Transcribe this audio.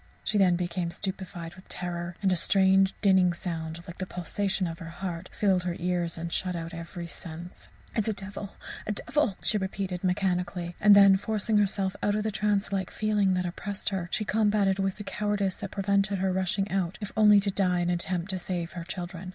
She then became stupefied with terror, and a strange, dinning sound, like the pulsation of her heart, filled her ears and shut out every sense. "It is a devil! a devil!" she repeated mechanically; and then, forcing herself out of the trance like feeling that oppressed her, she combated with the cowardice that prevented her rushing out if only to die in an attempt to save her children.